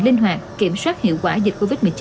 linh hoạt kiểm soát hiệu quả dịch covid một mươi chín